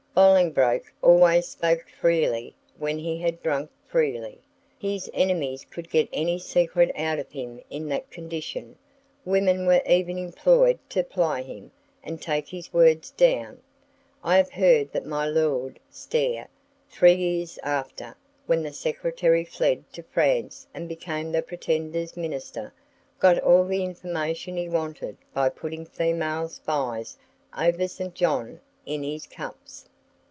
Bolingbroke always spoke freely when he had drunk freely. His enemies could get any secret out of him in that condition; women were even employed to ply him, and take his words down. I have heard that my Lord Stair, three years after, when the Secretary fled to France and became the Pretender's Minister, got all the information he wanted by putting female spies over St. John in his cups.